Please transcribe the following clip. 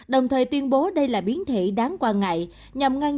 đồng thời tuyên bố đây là biến thể đáng quan ngại